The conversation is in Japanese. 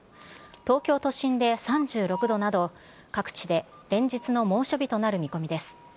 東京都心で３６度など、各地で連日の猛暑日となる見込みです。